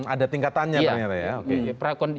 ada tingkatannya sebenarnya ya